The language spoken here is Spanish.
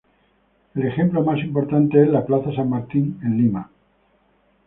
El ejemplo más importante es la Plaza San Martín en Lima.